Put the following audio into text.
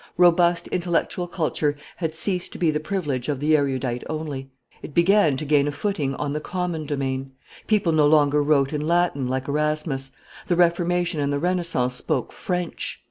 Robust intellectual culture had, ceased to be the privilege of the erudite only; it began to gain a footing on the common domain; people no longer wrote in Latin, like Erasmus; the Reformation and the Renaissance spoke French.